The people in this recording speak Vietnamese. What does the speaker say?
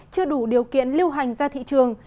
chưa đủ điều kiện lưu hành ra thị trường